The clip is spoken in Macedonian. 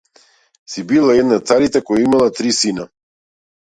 Си била една царица која имала три сина.